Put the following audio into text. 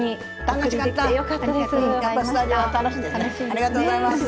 ありがとうございます。